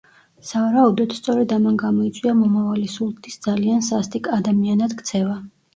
სავარაუდოდ, სწორედ ამან გამოიწვია მომავალი სულთნის ძალიან სასტიკ ადამიანად ქცევა.